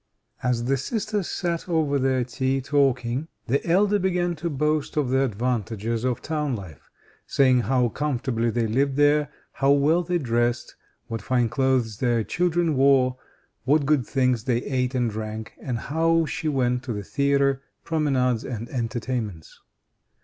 As the sisters sat over their tea talking, the elder began to boast of the advantages of town life: saying how comfortably they lived there, how well they dressed, what fine clothes her children wore, what good things they ate and drank, and how she went to the theatre, promenades, and entertainments.